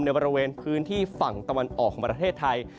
บริเวณพื้นที่ฝั่งตะวันออกของประเทศไทย